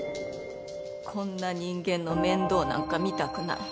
こんな人間の面倒なんか見たくない